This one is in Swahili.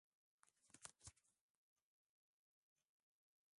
utawala wake ulikuwa kipindi cha kustawi kwa utamaduni na uchumi